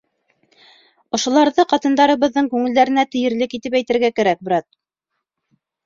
Ошоларҙы ҡатындарыбыҙҙың күңелдәренә тейерлек итеп әйтергә кәрәк, брат.